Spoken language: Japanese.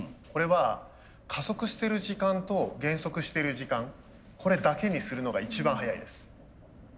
これは加速してる時間と減速してる時間これだけにするのが一番速いです。